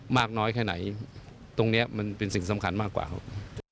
มากน้อยแค่ไหนตรงนี้มันเป็นสิ่งสำคัญมากกว่าครับ